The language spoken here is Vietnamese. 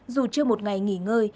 dù chưa một ngày nghỉ ngơi